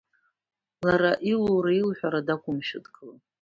Лара илура-илҳәара дақәымшәо дгылан.